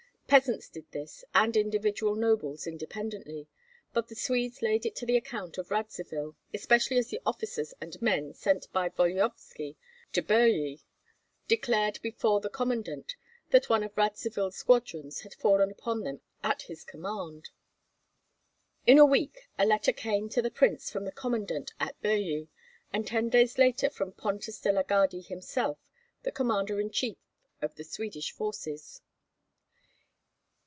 Peasants did this, and individual nobles independently; but the Swedes laid it to the account of Radzivill, especially as the officers and men sent by Volodyovski to Birji declared before the commandant that one of Radzivill's squadrons had fallen upon them at his command. In a week a letter came to the prince from the commandant at Birji, and ten days later from Pontus de la Gardie himself, the commander in chief of the Swedish forces.